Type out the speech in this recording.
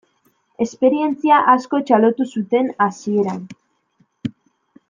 Esperientzia asko txalotu zuten hasieran.